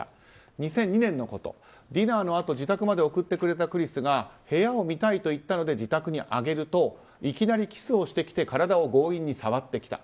２００２年のことディナーのあと自宅まで送ってくれたクリスが部屋を見たいと言ったので自宅に上げるといきなりキスをしてきて体を強引に触ってきた。